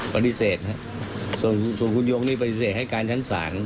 ปฏิเสธครับส่วนคุณยงนี่ปฏิเสธให้การชั้นศาล